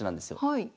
はい。